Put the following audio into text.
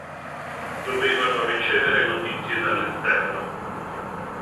Dovevano ricevere notizie dall'esterno.